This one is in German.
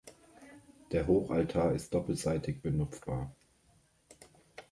Der Hochaltar ist doppelseitig benutzbar.